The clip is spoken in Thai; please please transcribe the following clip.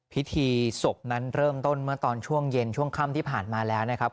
พิธีศพนั้นเริ่มต้นเมื่อตอนช่วงเย็นช่วงค่ำที่ผ่านมาแล้วนะครับ